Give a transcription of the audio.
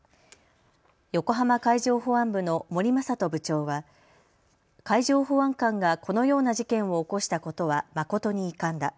横浜海上保安部の森征人部長は海上保安官がこのような事件を起こしたことは誠に遺憾だ。